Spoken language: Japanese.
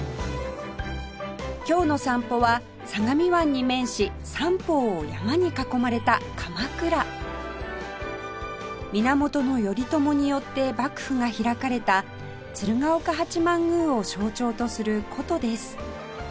今日の散歩は相模湾に面し三方を山に囲まれた鎌倉源頼朝によって幕府が開かれた鶴岡八幡宮を象徴とする古都です